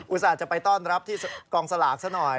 ส่าห์จะไปต้อนรับที่กองสลากซะหน่อย